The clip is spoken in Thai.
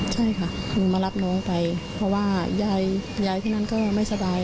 ใช่ค่ะคือมารับน้องไปเพราะว่ายายที่นั้นก็ไม่สบาย